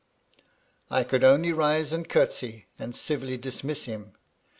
93 " I could only rise and curtsy, and civilly dismiss him.